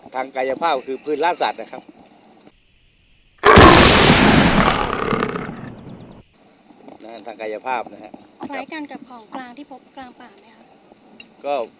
ทางกายภาพคล้ายกันกับของกลางที่พบกลางป่าไหมครับ